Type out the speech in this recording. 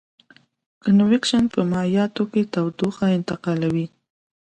کنویکشن په مایعاتو کې تودوخه انتقالوي.